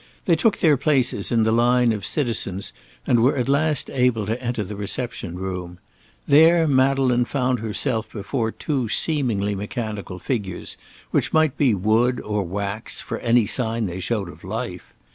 They took their places in the line of citizens and were at last able to enter the reception room. There Madeleine found herself before two seemingly mechanical figures, which might be wood or wax, for any sign they showed of life.